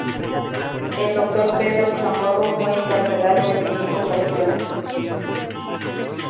El doctor Pedro Chamorro fue encarcelado en cinco ocasiones.